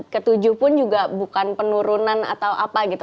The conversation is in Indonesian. tiga belas ke tujuh pun juga bukan penurunan atau apa gitu